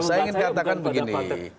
saya ingin katakan begini